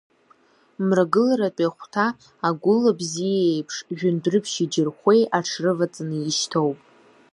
Мрагыларатәи ахәҭа, агәыла бзиа иеиԥш, Жәандәырԥшьи Џьырхәеи аҽрываҵаны ишьҭоуп.